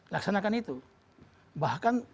laksanakan itu bahkan